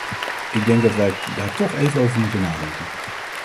Ik denk dat wij daar toch even over moeten nadenken.